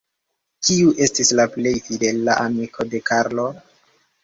Kiu estis la plej fidela amiko de Karlo?